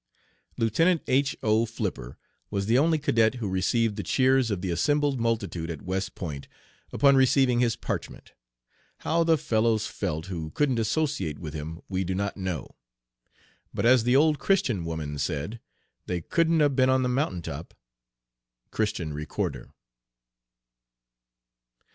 "Lieutenant H. O. Flipper was the only cadet who received the cheers of the assembled multitude at West Point upon receiving his parchment. How the fellows felt who couldn't associate with him we do not know; but as the old Christian woman said, they 'couldn't a been on the mountain top.'" Christian Recorder.